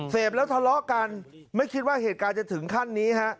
เสพแล้วทะเลาะกันไม่คิดว่าเหตุการณ์จะถึงขั้นนี้ฮะ